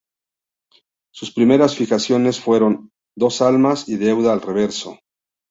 Sus primeras fijaciones fueron "Dos almas" y "Deuda" al reverso.